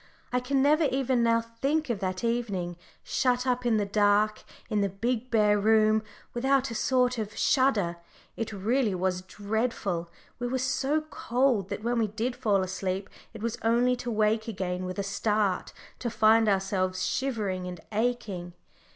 I can never even now think of that evening shut up in the dark in the big bare room without a sort of shudder. It really was dreadful: we were so cold that when we did fall asleep it was only to wake again with a start to find ourselves shivering and aching.